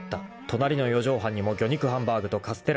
隣の四畳半にも魚肉ハンバーグとカステラがあった］